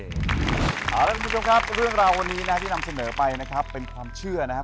เอาละคุณผู้ชมครับเรื่องราววันนี้นะที่นำเสนอไปนะครับเป็นความเชื่อนะครับ